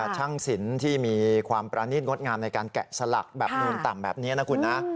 ช่างสินที่มีความประณีตงดงามในการแกะสลักแบบเนินต่ำแบบนี้นะคุณนะ